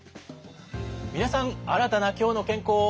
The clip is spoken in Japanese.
皆さん新たな「きょうの健康」